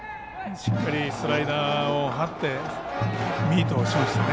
しっかりスライダーを張ってミートしましたね。